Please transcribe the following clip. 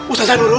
ustadz jangan luru